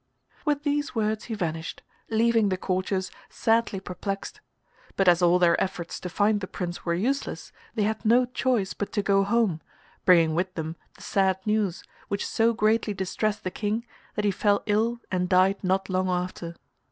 With these words he vanished, leaving the courtiers sadly perplexed; but as all their efforts to find the Prince were useless they had no choice but to go home, bringing with them the sad news, which so greatly distressed the King that he fell ill and died not long after.